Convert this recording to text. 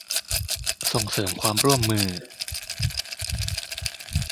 ส่งเสริมความร่วมมือ